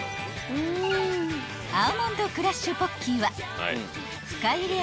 ［アーモンドクラッシュポッキーは深いり